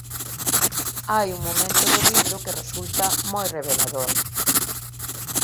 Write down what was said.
Hai un momento do libro que resulta moi revelador.